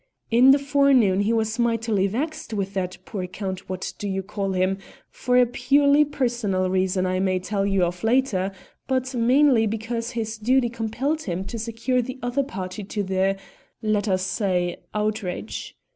In the forenoon he was mightily vexed with that poor Count What do you call him for a purely personal reason that I may tell you of later, but mainly because his duty compelled him to secure the other party to the let us say, outrage.